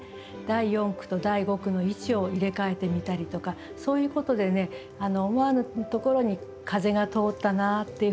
第４句と第５句の位置を入れ替えてみたりとかそういうことで思わぬところに風が通ったなっていうふうに感じる時があるので。